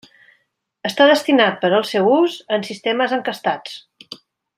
Està destinat per al seu ús en sistemes encastats.